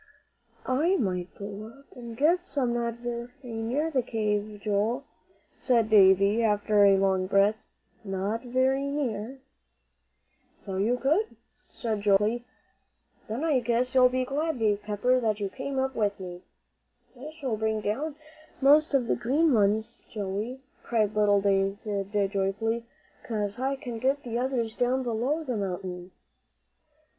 "I might go up and get some not very near the cave, Joel," said Davie, after a long breath. "Not very near." "So you could," said Joel, quickly. "Then I guess you'll be glad, Dave Pepper, that you came up with me." "I shall bring down most of the green ones, Joey," cried little David, joyfully, "'cause I can get the others down below the mountain."